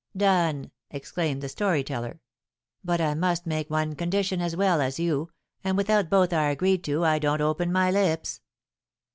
"Done!" exclaimed the story teller. "But I must make one condition as well as you, and, without both are agreed to, I don't open my lips."